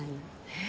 え？